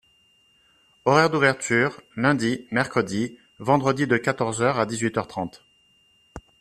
Horaires d’ouverture : lundi, mercredi, vendredi de quatorze heures à dix-huit heures trente.